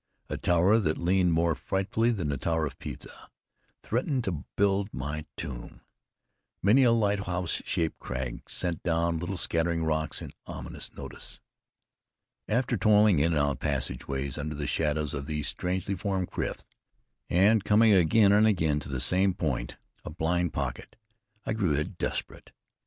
A tower that leaned more frightfully than the Tower of Pisa threatened to build my tomb. Many a lighthouse shaped crag sent down little scattering rocks in ominous notice. After toiling in and out of passageways under the shadows of these strangely formed cliffs, and coming again and again to the same point, a blind pocket, I grew desperate.